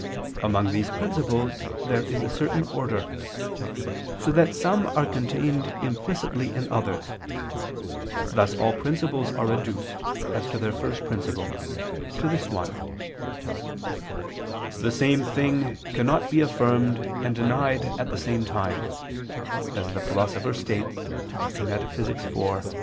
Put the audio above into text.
Among these principles there is a certain order, so that some are contained implicitly in others; thus all principles are reduced, as to their first principle, to this one: "The same thing cannot be affirmed and denied at the same time," as the Philosopher states (Metaph. iv, text.